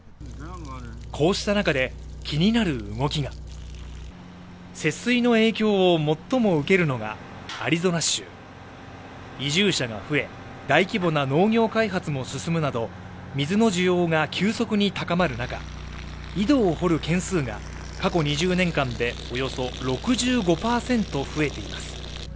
こうした中で気になる動きが節水の影響を最も受けるのがアリゾナ州移住者が増え大規模な農業開発も進むなど水の需要が急速に高まる中井戸を掘る件数が過去２０年間でおよそ６５％増えています